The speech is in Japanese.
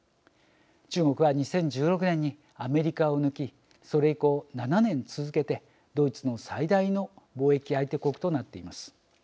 中国は２０１６年にアメリカを抜きそれ以降、７年続けてドイツの最大の貿易相手国となっています。